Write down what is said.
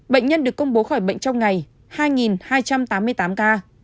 bệnh nhân được công bố khỏi bệnh trong ngày hai hai trăm tám mươi tám ca